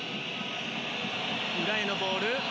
裏へのボール。